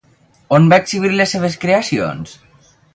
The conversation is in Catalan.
On va exhibir les seves creacions?